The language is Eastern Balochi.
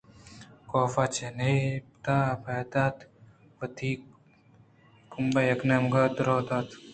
کاف چہ نپاد ءَ پاد اتک ءُوتی کمبلے یک نیمگےءَ دور دات